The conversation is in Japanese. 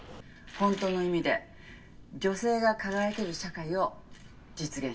「本当の意味で女性が輝ける社会を実現」